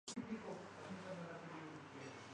حمزہ شہباز بھی ناخوش نظر آتے تھے۔